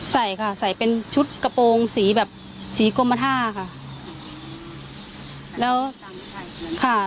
ใส่ค่ะใส่เป็นชุดกระโปรงสีแบบสีกรมท่าค่ะแล้วค่ะ